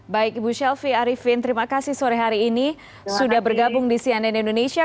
baik ibu shelfie arifin terima kasih sore hari ini sudah bergabung di cnn indonesia